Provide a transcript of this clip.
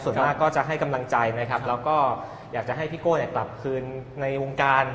ส่วนมากก็จะให้กำลังใจนะครับแล้วก็อยากจะให้พี่โก้กลับคืนในวงการ